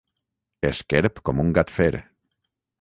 Esquerp com un gat fer.